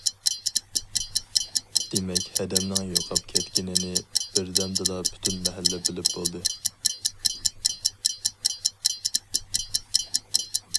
دېمەك ھەدەمنىڭ يوقاپ كەتكىنىنى بىردەمدىلا پۈتۈن مەھەللە بىلىپ بولدى.